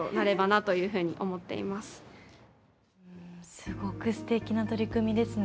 すごく、すてきな取り組みですね。